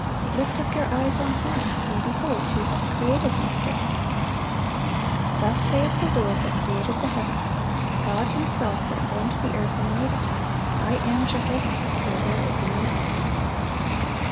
Lift up your eyes on high, and behold who hath created these things." "Thus saith the Lord that created the heavens; God Himself that formed the earth and made it:... I am Jehovah; and there is none else."